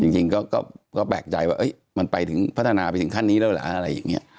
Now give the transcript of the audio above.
จริงก็แปลกใจว่ามันไปถึงพัฒนาไปถึงขั้นนี้แล้วเหรออะไรอย่างนี้